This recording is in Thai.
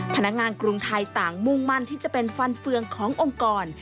พนักงานกรุงไทยต่างมุ่งมั่นที่จะเป็นฟันเฟืองขององค์กร